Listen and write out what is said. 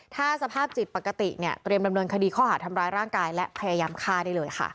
ถ้าสภาพจิตปกติเนี่ยเตรียมดำเนินคดีข้อหาทำร้ายร่างกายและพยายามฆ่าได้เลยค่ะ